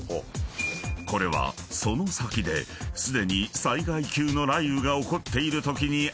［これはその先ですでに災害級の雷雨が起こっているときに現れる雲］